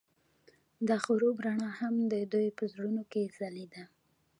د غروب رڼا هم د دوی په زړونو کې ځلېده.